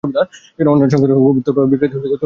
অন্যান্য সংস্করণে গভীরতার বিকৃতি তুলনামূলক কম।